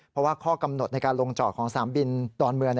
เพราะว่าข้อกำหนดในการลงจอดของสนามบินดอนเมือง